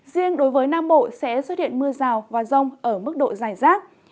riêng đối với nam bộ sẽ xuất hiện mưa rào và rông ở mức độ dài rác